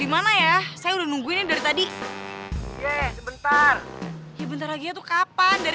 gimana ya saya udah nungguin ini dari tadi sebentar ya bentar lagi ya tuh kapan dari